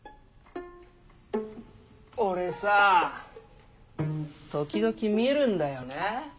オレさぁ時々見るんだよね。